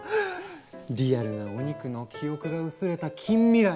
リアルなお肉の記憶が薄れた近未来